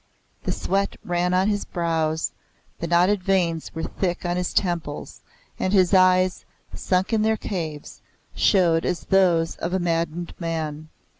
The sweat ran on his brows, the knotted veins were thick on his temples, and his eyes, sunk in their caves, showed as those of a maddened man.